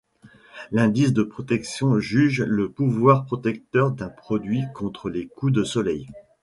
L'indice de protection juge le pouvoir protecteur d'un produit contre les coups de soleil.